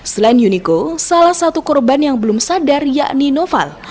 selain yuniko salah satu korban yang belum sadar yakni noval